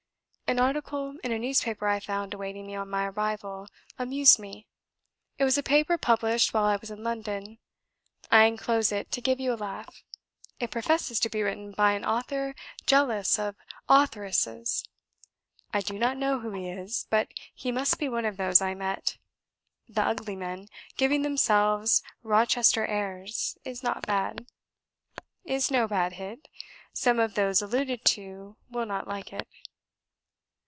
... An article in a newspaper I found awaiting me on my arrival, amused me; it was a paper published while I was in London. I enclose it to give you a laugh; it professes to be written by an Author jealous of Authoresses. I do not know who he is, but he must be one of those I met. ... The 'ugly men,' giving themselves 'Rochester airs,' is no bad hit; some of those alluded to will not like it."